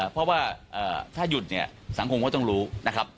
เพราะว่าถ้าหยุดเนี่ยสังคมก็ต้องรู้นะครับ